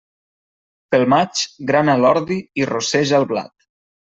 Pel maig, grana l'ordi i rosseja el blat.